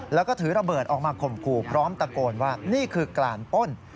แล้วก็ถือระเบิดออกมาข่มขู่พร้อมตะโกนว่านี่คือกลานป้น